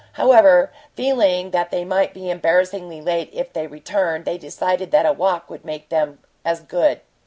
However, feeling that they might be embarrassingly late if they returned, they decided that a walk would make them as good.